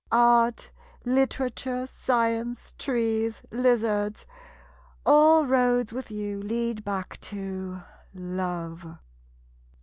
Art, literature, science, trees, lizards — all roads, with you, lead back to — love!